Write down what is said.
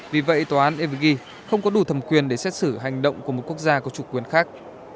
vì vậy tòa án ev không có đủ thẩm quyền để xét xử hành động của một quốc gia có chủ quyền khác